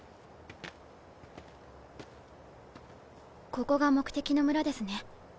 ここが目的の村ですね。